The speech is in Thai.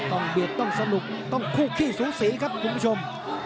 เบียดต้องสนุกต้องคู่ขี้สูสีครับคุณผู้ชม